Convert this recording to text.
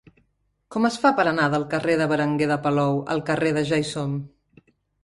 Com es fa per anar del carrer de Berenguer de Palou al carrer de Ja-hi-som?